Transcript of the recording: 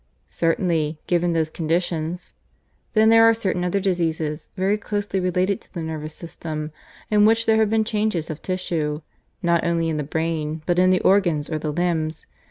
"Certainly given those conditions. Then there are certain other diseases, very closely related to the nervous system, in which there have been changes of tissue, not only in the brain, but in the organs or the limbs.